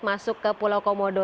masuk ke pulau komodo